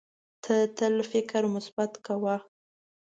ته تل مثبت فکر کوې.